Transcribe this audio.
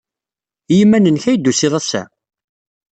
I yiman-nnek ay d-tusid ass-a?